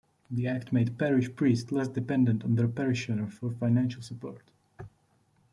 The act made Parish priests less dependent on their parishioner for financial support.